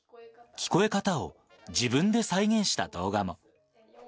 聞こえ方を自分で再現した動画も。